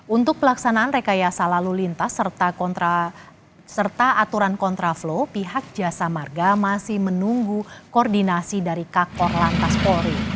untuk pelaksanaan rekayasa lalu lintas serta aturan kontraflow pihak jasa marga masih menunggu koordinasi dari kakor lantas polri